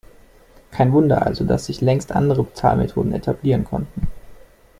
Kein Wunder also, dass sich längst andere Bezahlmethoden etablieren konnten.